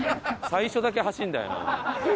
最初だけ走るんだよな。